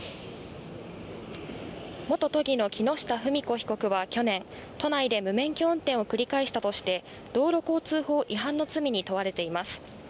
元都議の木下富美子被告は去年、都内で無免許運転を繰り返したとして道路交通法違反の罪に問われています。